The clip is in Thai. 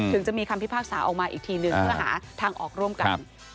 ถึงจะมีคำพิพากษาออกมาอีกทีหนึ่งเพื่อหาทางออกร่วมกัน